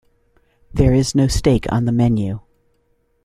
There is no steak on the menu.